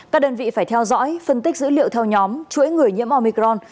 các đơn vị phải theo dõi phân tích dữ liệu theo nhóm chuỗi người nhiễm omicron